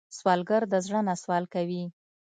سوالګر د زړه نه سوال کوي